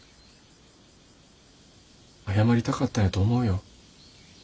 謝りたかったんやと思うよ。